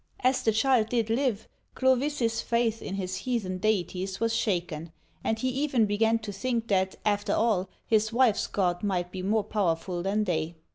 As the child did live, Clovis's faith in his heathen deities was shaken, and he even began to think that, after all, his wife's God might be more powerful than they.